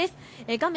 画面